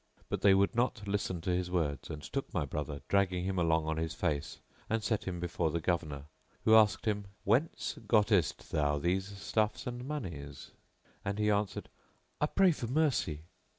But they would not listen to his words and took my brother, dragging him along on his face, and set him before the Governor who asked him, "Whence gottest thou these stuffs and monies?"; and he answered, "I pray for mercy!"